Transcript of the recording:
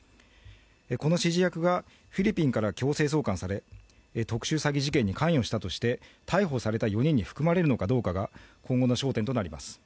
この指示役がフィリピンから強制送還され、特殊詐欺事件に関与したとして逮捕された４人に含まれるのかどうかがこの期の焦点となります。